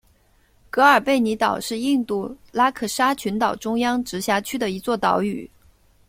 格尔贝尼岛是印度拉克沙群岛中央直辖区的一座岛屿。